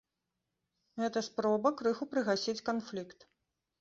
Гэта спроба крыху прыгасіць канфлікт.